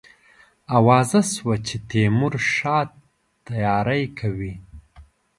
آوازه سوه چې تیمورشاه تیاری کوي.